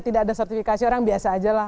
tidak ada sertifikasi orang biasa aja lah